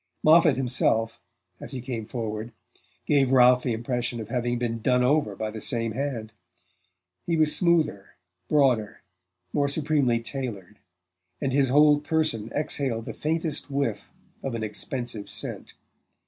Moffatt himself, as he came forward, gave Ralph the impression of having been done over by the same hand: he was smoother, broader, more supremely tailored, and his whole person exhaled the faintest whiff of an expensive scent.